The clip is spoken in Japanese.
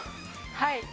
はい。